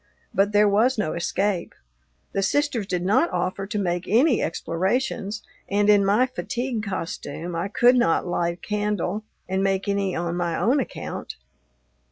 But there was no escape. The sisters did not offer to make any explorations, and, in my fatigue costume, I could not light a candle and make any on my own account.